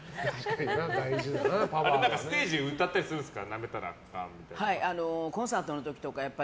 ステージで歌ったりするんですか。